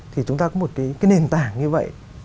thì chúng ta có một cái nền tảng như vậy